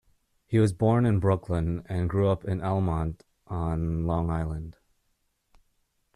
He was born in Brooklyn and grew up in Elmont on Long Island.